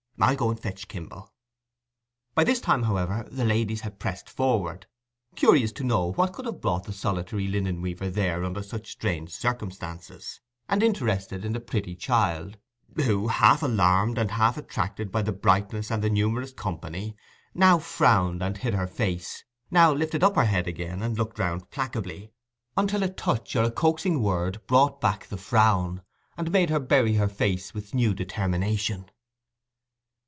I'll go and fetch Kimble." By this time, however, the ladies had pressed forward, curious to know what could have brought the solitary linen weaver there under such strange circumstances, and interested in the pretty child, who, half alarmed and half attracted by the brightness and the numerous company, now frowned and hid her face, now lifted up her head again and looked round placably, until a touch or a coaxing word brought back the frown, and made her bury her face with new determination.